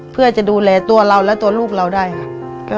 เพื่อจะดูแลตัวเราและตัวลูกเราได้ค่ะ